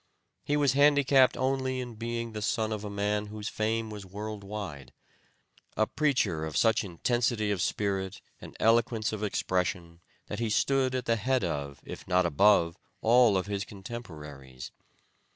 He was handicapped only in being the son of a man whose fame was world wide; a preacher of such intensity of spirit and eloquence of expression that he stood at the head of, if not above, all of his contemporaries.